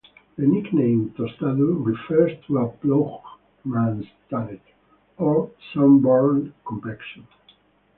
The nickname "Tostado" refers to a ploughman's tanned or sunburnt complexion.